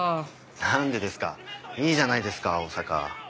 何でですかいいじゃないですか大阪。